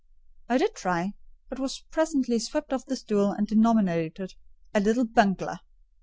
I did try, but was presently swept off the stool and denominated "a little bungler."